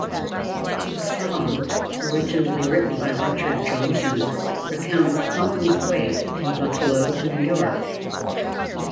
The song, originally written by Richard Johnson, recounts Collins' wake in Buffalo, New York.